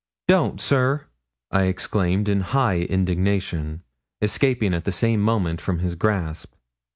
'Don't, sir,' I exclaimed in high indignation, escaping at the same moment from his grasp.